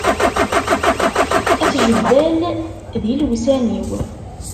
At Jebbal d ilewsan-iw.